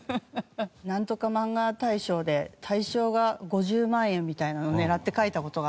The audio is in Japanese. なんとか漫画大賞で大賞が５０万円みたいなのを狙って描いた事があるけど。